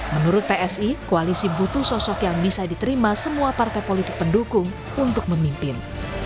menurut psi koalisi butuh sosok yang bisa diterima semua partai politik pendukung untuk memimpin